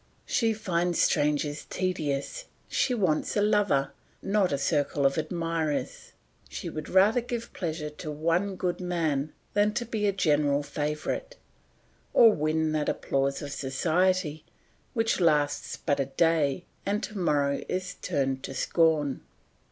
She finds strangers tedious, she wants a lover, not a circle of admirers. She would rather give pleasure to one good man than be a general favourite, or win that applause of society which lasts but a day and to morrow is turned to scorn.